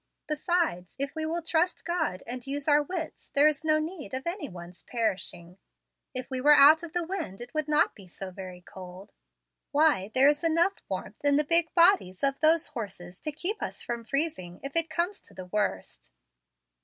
Besides, if we will trust God and use our wits, there is no need of any one's perishing. If we were out of the wind it would not be so very cold. Why, there is enough warmth in the big bodies of those horses to keep us from freezing, if it comes to the worst."